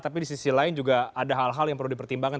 tapi di sisi lain juga ada hal hal yang perlu dipertimbangkan